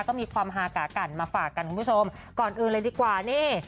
ก็มีความฮากากันมาฝากกันคุณผู้ชมก่อนอื่นเลยดีกว่านี่